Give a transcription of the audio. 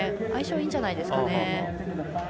相性いいんじゃないですかね。